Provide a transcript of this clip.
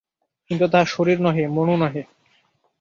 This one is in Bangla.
কিন্তু তাহা শরীর নহে, মনও নহে।